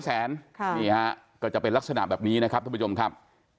นี่ฮะก็จะเป็นลักษณะแบบนี้นะครับท่านผู้ชมครับ